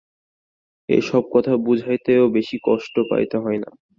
এ-সব কথা বুঝাইতেও বেশি কষ্ট পাইতে হয় না।